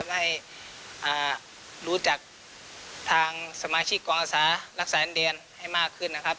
ให้รู้จักทางสมาชิกกองอาสารักษาดินแดนให้มากขึ้นนะครับ